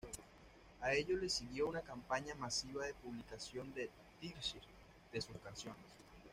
A ello le siguió una campaña masiva de publicación de "teasers" de sus canciones.